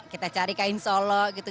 kita cari kain solo gitu